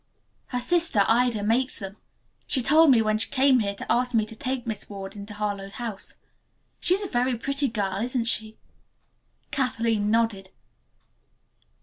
"Her sister, Ida, makes them. She told me so when she came here to ask me to take Miss Ward into Harlowe House. She is a very pretty girl, isn't she?" Kathleen nodded.